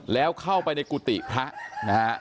แล้วเข้าไปในกุฏิพระนะฮะ